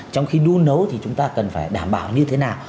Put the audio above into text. trong khi đun nấu thì chúng ta cần phải đảm bảo như thế nào